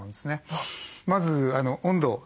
まず温度。